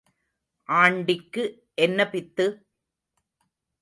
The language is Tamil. ஆண்டிக்கு என்ன பித்து?